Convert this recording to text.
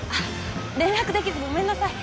連絡できずごめんなさい